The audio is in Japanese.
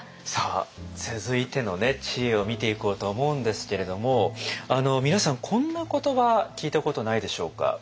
さあ続いての知恵を見ていこうと思うんですけれども皆さんこんな言葉聞いたことないでしょうか？